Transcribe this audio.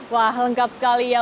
wah lengkap sekali ya